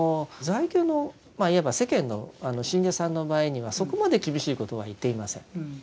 在家のいわば世間の信者さんの場合にはそこまで厳しいことは言っていません。